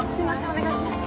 お願いします。